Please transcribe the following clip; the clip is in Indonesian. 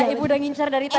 ibu udah ngincar dari tadi